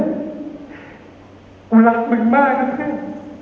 ผมรักมึงมากนะเพื่อน